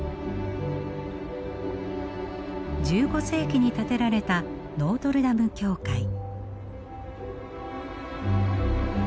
１５世紀に建てられたノートルダム教会。